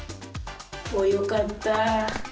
よかった！